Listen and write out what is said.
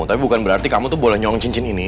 tapi bukan berarti kamu tuh boleh nyongong cicin ini